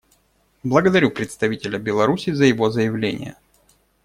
Благодарю представителя Беларуси за его заявление.